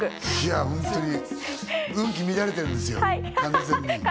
運気、乱れてるんですよ、完全に。